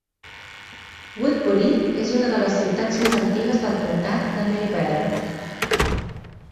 Woodbury és una de les ciutats més antigues del comtat de Meriwether.